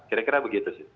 kira kira begitu sih